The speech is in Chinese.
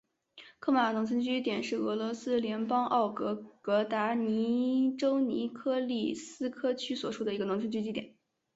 克马农村居民点是俄罗斯联邦沃洛格达州尼科利斯克区所属的一个农村居民点。